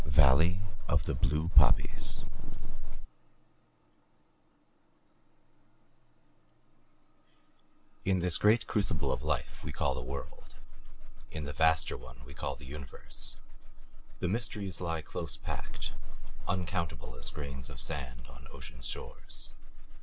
VALLEY OF THE BLUE POPPIES In this great crucible of life we call the world in the vaster one we call the universe the mysteries lie close packed, uncountable as grains of sand on ocean's shores.